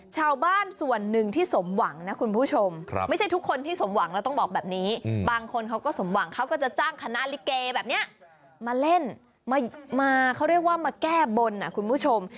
ชาวบ้านส่วนหนึ่งที่สมหวังนะคุณผู้ชมไม่ใช่ทุกคนที่สมหวังแล้วต้องบอกแบบนี้บางคนเขาก็สมหวังเขาก็จะจ้างคณะลิเกแบบนี้มาเล่นมาเขาเรียกว่ามาแก้บนคุณผู้ชม